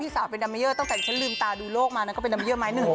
สาวเป็นดัมเมเยอร์ตั้งแต่ฉันลืมตาดูโลกมานั้นก็เป็นดัมเยื่อไม้หนึ่ง